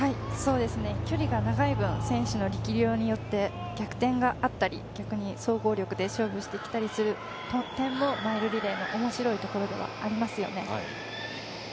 距離が長い分、選手の力量によって逆転があったり、逆に総合力で勝負してきたりする点もマイルリレーの面白いところではありますよね。